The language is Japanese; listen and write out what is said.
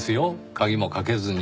鍵もかけずに。